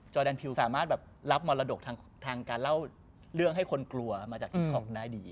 จอดานเพิลสามารถแบบรับมรดกทางทางการเล่าเรื่องให้คนกลัวมาจากคลิ๊กคล็อคได้ดี